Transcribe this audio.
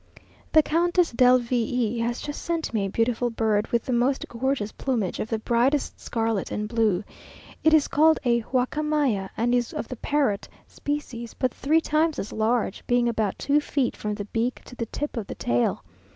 The Countess del V e has just sent me a beautiful bird with the most gorgeous plumage of the brightest scarlet and blue. It is called a huacamaya, and is of the parrot species, but three times as large, being about two feet from the beak to the tip of the tail.